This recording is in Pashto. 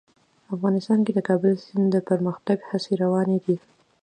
افغانستان کې د کابل سیند د پرمختګ هڅې روانې دي.